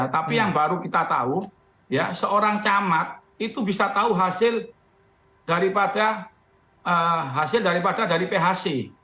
tapi yang baru kita tahu seorang camat itu bisa tahu hasil daripada hasil daripada dari phc